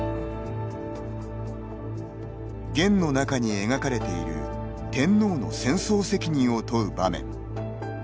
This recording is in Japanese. ゲンの中に、描かれている天皇の戦争責任を問う場面。